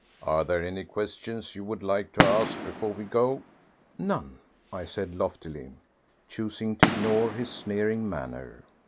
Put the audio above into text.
Are there any questions you would like to ask before we go?" "None," I said loftily, choosing to ignore his sneering manner.